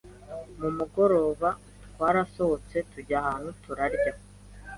Mumugoroba, twarasohotse tujya ahantu turarya